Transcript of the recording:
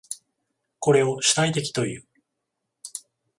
これを主体的という。